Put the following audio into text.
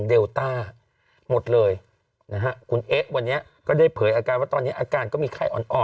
เดลต้าหมดเลยนะฮะคุณเอ๊ะวันนี้ก็ได้เผยอาการว่าตอนนี้อาการก็มีไข้อ่อน